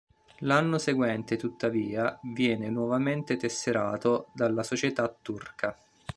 L'anno seguente, tuttavia, viene nuovamente tesserato dalla società turca.